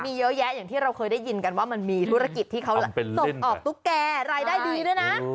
มีเยอะแยะอย่างที่เราเคยได้ยินกันว่ามันมีธุรกิจที่เขาส่งออกตุ๊กแก่รายได้ดีด้วยนะ